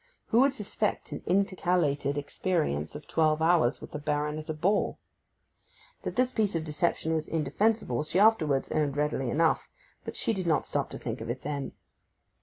Who would suspect an intercalated experience of twelve hours with the Baron at a ball? That this piece of deception was indefensible she afterwards owned readily enough; but she did not stop to think of it then.